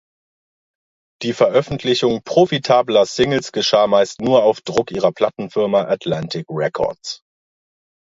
Die Veröffentlichung profitabler Singles geschah meist nur auf Druck ihrer Plattenfirma Atlantic Records.